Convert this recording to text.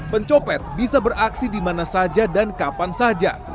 pencopet bisa beraksi di mana saja dan kapan saja